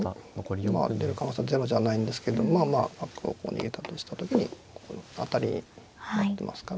まあ出る可能性はゼロじゃないんですけどまあまあ角をここ逃げたとした時に当たりになってますから。